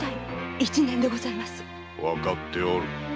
わかっておる。